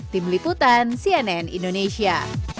tim liputan cnn indonesia